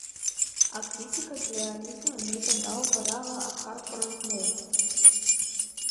Акритикатә реализм аметод ауп араҟа ахархәара змоу.